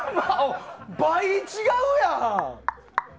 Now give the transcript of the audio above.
倍違うやん！